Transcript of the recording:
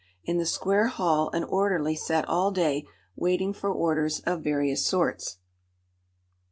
In the square hall an orderly sat all day, waiting for orders of various sorts.